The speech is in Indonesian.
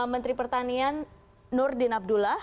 menteri pertanian nurdin abdullah